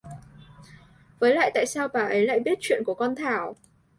Với lại tại sao bà ấy lại biết chuyện của con thảo